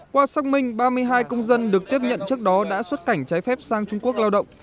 qua xác minh ba mươi hai công dân được tiếp nhận trước đó đã xuất cảnh trái phép sang trung quốc lao động